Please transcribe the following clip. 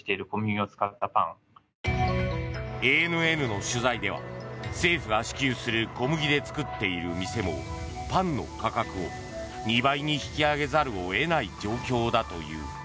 ＡＮＮの取材では政府が支給する小麦で作っている店もパンの価格を２倍に引き上げざるを得ない状況だという。